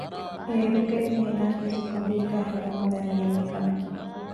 އޭރުގެ އޭނަގެ ސިކުޑީގައި ހިނގަމުންދަނީ އެންމެ ކަމެއް